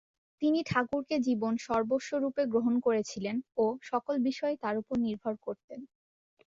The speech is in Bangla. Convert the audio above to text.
তিনি ঠাকুরকে জীবন সর্বস্ব রূপে গ্রহণ করেছিলেন ও সকল বিষয়েই তাঁর উপর নির্ভর করতেন।